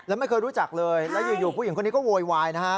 แล้วไม่เคยรู้จักเลยแล้วอยู่ผู้หญิงคนนี้ก็โวยวายนะฮะ